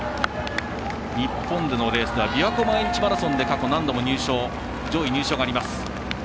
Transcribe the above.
日本でのレースはびわ湖毎日マラソンで過去何度も上位入賞があります。